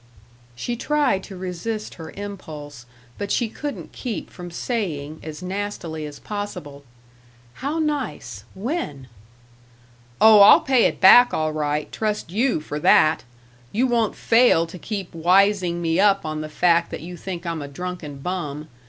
She tried to resist her impulse, but she couldn't keep from saying, as nastily as possible: "How nice. When?" "Oh, I'll pay it back, all right, trust you for that! You won't fail to keep wising me up on the fact that you think I'm a drunken bum.